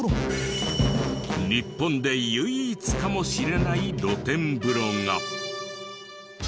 日本で唯一かもしれない露天風呂が。